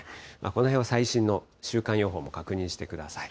この辺は最新の週間予報も確認してください。